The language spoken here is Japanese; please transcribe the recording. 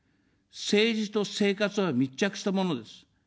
政治と生活は密着したものです。